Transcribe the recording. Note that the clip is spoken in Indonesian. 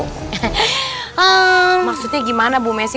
maksudnya gimana bu messi